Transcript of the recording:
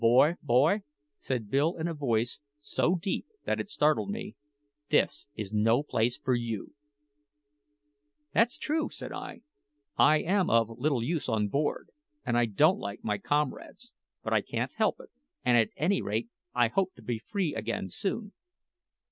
"Boy, boy," said Bill in a voice so deep that it startled me, "this is no place for you!" "That's true," said I. "I am of little use on board, and I don't like my comrades; but I can't help it, and at any rate I hope to be free again soon."